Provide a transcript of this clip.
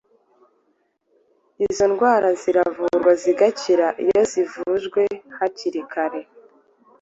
Izo ndwara ziravurwa zigakira, iyo zivujwe hakiri kare,